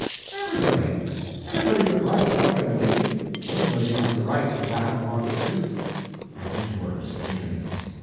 "Everybody. Everybody that writes elegantly. Anybody has a right to that wants to." "I think you are mistaken."